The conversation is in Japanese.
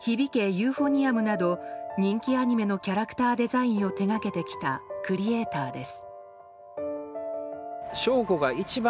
ユーフォニアム」など人気アニメのキャラクターデザインを手掛けてきた、クリエーターです。